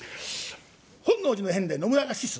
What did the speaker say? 本能寺の変で信長死す。